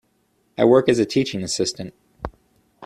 I work as a teaching assistant.